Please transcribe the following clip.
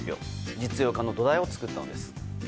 実用化の土台を作ったのです。